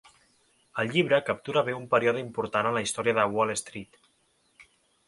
El llibre captura bé un període important en la història de Wall Street.